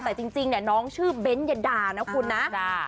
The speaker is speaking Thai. แต่จริงน้องชื่อเบนเย็ดดานะคุณนะ